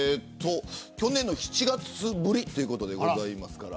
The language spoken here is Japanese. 去年の７月ぶりということでございますが。